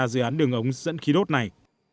dự án đường ống dẫn khí đốt này